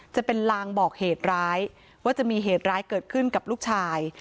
จะเป็นลางบอกเหตุร้ายว่าจะมีเหตุร้ายเกิดขึ้นกับลูกชาย